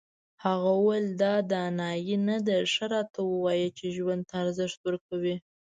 هغه وویل دا دانایي نه ده ښه راته ووایه چې ژوند ته ارزښت ورکوې.